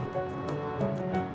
saya duluan ya